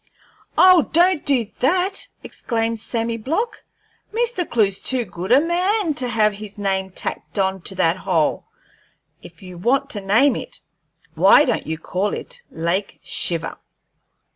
"Oh, don't do that!" exclaimed Sammy Block. "Mr. Clewe's too good a man to have his name tacked on to that hole. If you want to name it, why don't you call it 'Lake Shiver'?"